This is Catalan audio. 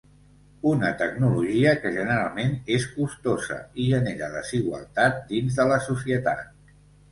Una tecnologia que generalment és costosa i genera desigualtats dins de la societat.